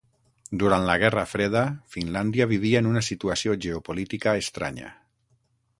Durant la guerra freda, Finlàndia vivia en una situació geopolítica estranya.